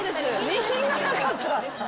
自信がなかった。